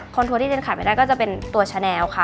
ทัวร์ที่เดินขายไม่ได้ก็จะเป็นตัวชาแนลค่ะ